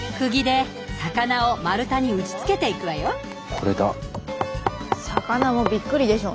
これだ。